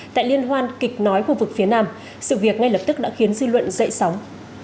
tại liên hoan kịch nói khu vực phía nam sự việc ngay lập tức đã khiến dư luận dậy sóng